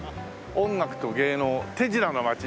「音楽と芸能手品のまち」